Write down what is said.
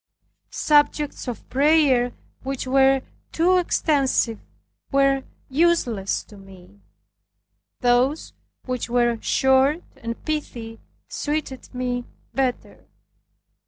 Subjects of prayer which were too extensive were useless to me. Those which were short and pithy suited me better.